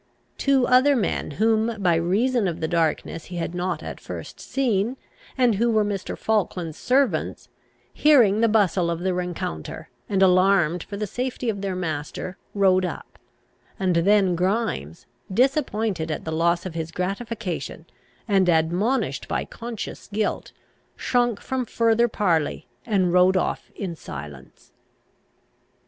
Two other men, whom, by reason of the darkness, he had not at first seen, and who were Mr. Falkland's servants, hearing the bustle of the rencounter, and alarmed for the safety of their master, rode up; and then Grimes, disappointed at the loss of his gratification, and admonished by conscious guilt, shrunk from farther parley, and rode off in silence.